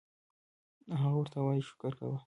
او هغه ورته وائي شکر کوه